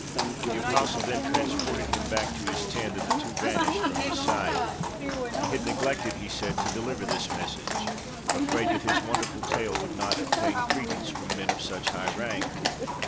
The apostle then transported him back to his tent, and the two vanished from his sight. He had neglected, he said, to deliver this message, afraid that his wonderful tale would not obtain credence from men of such high rank.